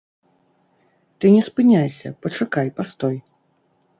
Ты не спыняйся, пачакай, пастой.